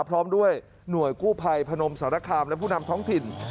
พร้อมด้วยหน่วยกู้ภัยพนมสารคามและผู้นำท้องถิ่น